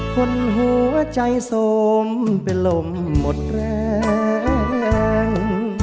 คนหัวใจสมเป็นลมหมดแรง